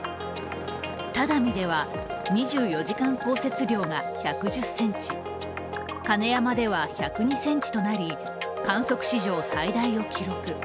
只見では２４時間降雪量が１１０ｃｍ、金山では１０２ｃｍとなり観測史上最大を記録。